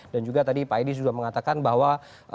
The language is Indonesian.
dan juga tadi pak edi sudah mengatakan bahwa